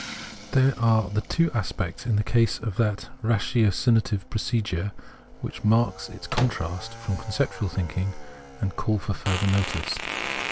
There are the two aspects in the case of that ratio cinative procedure which mark its contrast from con ceptual thinking and call for further notice.